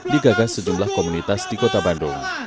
digagas sejumlah komunitas di kota bandung